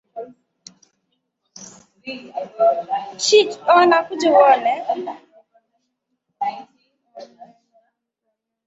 Mtu ni mwenye maozi, kuoneya kula kitu